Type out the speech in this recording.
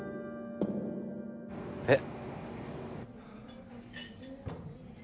えっ？